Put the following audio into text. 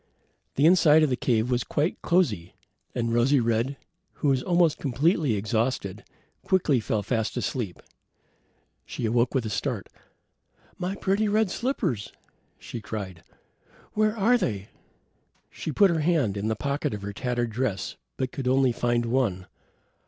The inside of the cave was quite cosy, and Rosy red, who was almost completely exhausted, quickly fell fast asleep. She awoke with a start. "My pretty red slippers," she cried. "Where are they?" She put her hand in the pocket of her tattered dress, but could only find one.